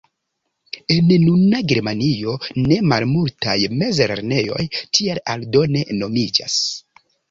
En nuna Germanio ne malmultaj mezlernejoj tiel aldone nomiĝas.